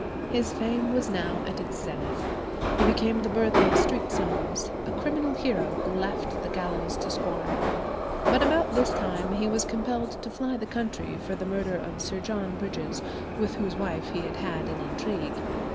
His fame was now at its zenith. He became the burthen of street songs—a criminal hero who laughed the gallows to scorn. But about this time he was compelled to fly the country for the murder of Sir John Bridges, with whose wife he had had an intrigue.